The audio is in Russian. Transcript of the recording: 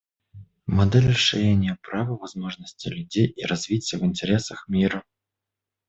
Модель расширения прав и возможностей людей и развития в интересах мира.